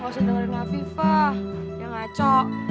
gak usah dengerin aviva yang ngaco